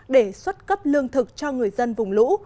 để xuất cấp lương thực cho người dân vùng lũ